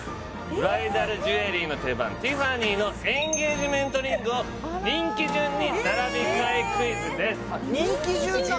ブライダルジュエリーの定番ティファニーのエンゲージメントリングを人気順に並べ替えクイズです人気順なの？